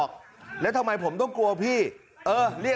สวัสดีครับคุณผู้ชาย